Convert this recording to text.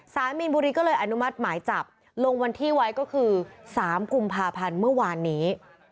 มีนบุรีก็เลยอนุมัติหมายจับลงวันที่ไว้ก็คือ๓กุมภาพันธ์เมื่อวานนี้